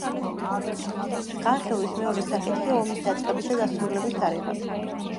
განხილვის მეორე საკითხია ომის დაწყების და დასრულების თარიღები.